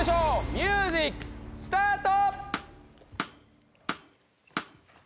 ミュージックスタート！